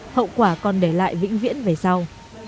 hậu quả còn để lại vĩnh viễn về sau